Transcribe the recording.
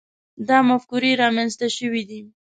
دا مفکورې رامنځته شوي دي.